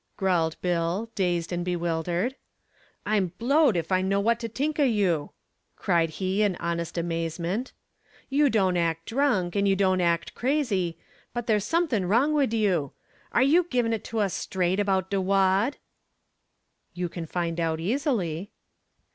growled Bill, dazed and bewildered. "I'm blowed if I know w'at to t'ink o' you," cried he in honest amazement. "You don't act drunk, and you ain't crazy, but there's somethin' wrong wid you. Are you givin' it to us straight about de wad?" "You can find out easily."